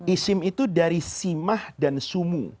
isim itu dari simah dan sumu